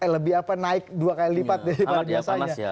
lebih apa naik dua kali lipat daripada biasanya